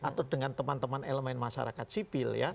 atau dengan teman teman elemen masyarakat sipil ya